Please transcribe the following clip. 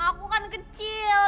aku kan kecil